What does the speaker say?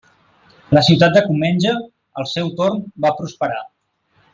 La ciutat de Comenge, al seu torn, va prosperar.